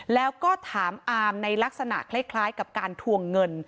แล้วก็ถามอามในลักษณะคล้ายกับการทวงเงิน